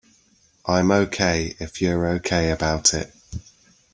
I'm OK if you're OK about it.